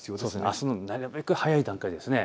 あすのなるべく早い段階ですね。